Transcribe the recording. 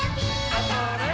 あ、それっ。